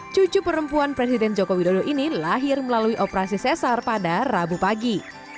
cucu perempuan presiden joko widodo ini lahir melalui operasi sesar pada rabu pagi